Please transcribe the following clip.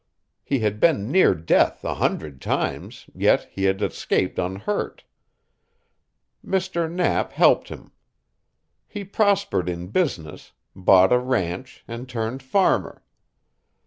He had been near death a hundred times, yet he had escaped unhurt. Mr. Knapp helped him. He prospered in business, bought a ranch, and turned farmer.